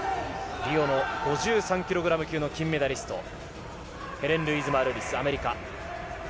リオの５３ｋｇ級の金メダリスト、ヘレン・ルイーズ・マルーリス、アメリカ。